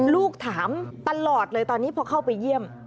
ลูกถามตลอดเลยตอนนี้พอเข้าไปเยี่ยม